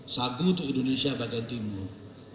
sagu untuk indonesia bagian timur